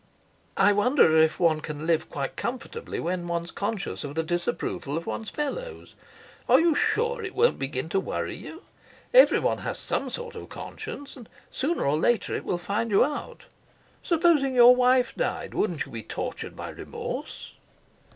"I wonder if one can live quite comfortably when one's conscious of the disapproval of one's fellows? Are you sure it won't begin to worry you? Everyone has some sort of a conscience, and sooner or later it will find you out. Supposing your wife died, wouldn't you be tortured by remorse?"